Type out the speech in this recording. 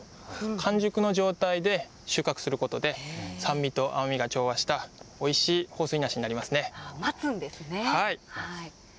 完熟の状態で収穫することで酸味と甘みが調和したおいしい豊水梨になります。